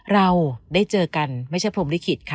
เราได้เจอกันไม่ใช่พรมลิขิตค่ะ